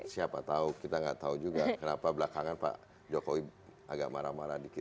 siapa tahu kita nggak tahu juga kenapa belakangan pak jokowi agak marah marah dikit